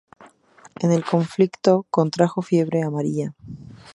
En el conflicto contrajo fiebre amarilla, lo que provocó la caída de su cabello.